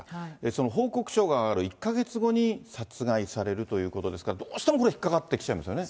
その報告書が上がる１か月後に殺害されるということですから、どうしてもこれ、引っ掛かってきちゃいますよね。